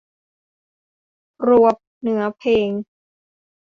ครัวเนื้อเพลง